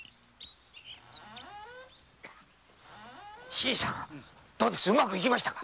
新さんどうですうまくいきましたか？